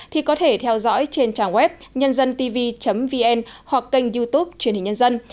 thì có thể theo dõi trên trang web nhân dân tv vn hoặc kênh youtube truyền hình nhân dân